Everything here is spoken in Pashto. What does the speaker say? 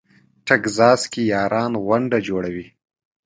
ټکزاس کې یاران غونډه جوړوي.